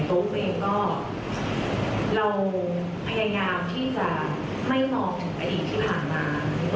ตัวเขาเองก็เราพยายามที่จะไม่มองถึงอดีตที่ผ่านมา